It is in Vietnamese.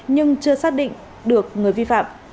nhưng chưa xác định được người vi phạm